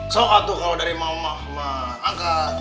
tuh atuh kalau dari mama mah angkat